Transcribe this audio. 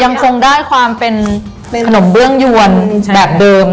ยังคงได้ความเป็นขนมเบื้องยวนแบบเดิม